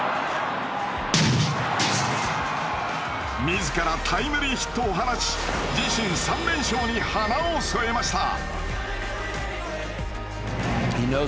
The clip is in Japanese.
自らタイムリーヒットを放ち自身３連勝に花を添えました。